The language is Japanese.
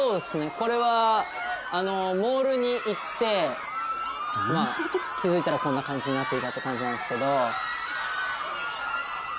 これはモールに行って気付いたらこんな感じになっていたって感じなんですけど。